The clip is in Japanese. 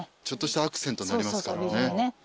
ちょっとしたアクセントになりますからね。